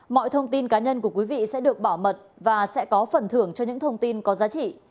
mọi thông tin cá nhân của quý vị sẽ được bảo mật và sẽ có phần thưởng cho những thông tin có giá trị